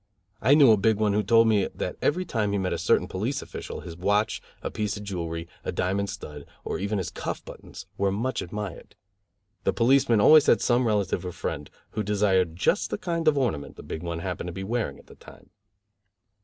I knew a Big One who told me that every time he met a certain police official, his watch, a piece of jewelry, a diamond stud or even his cuff buttons were much admired. The policeman always had some relative or friend who desired just the kind of ornament the Big One happened to be wearing at the time.